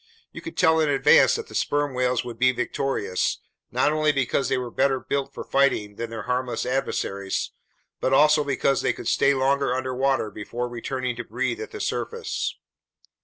You could tell in advance that the sperm whales would be victorious, not only because they were better built for fighting than their harmless adversaries, but also because they could stay longer underwater before returning to breathe at the surface.